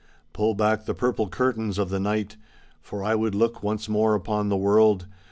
Pull back the purple curtains of the night. For I would look once more upon the world.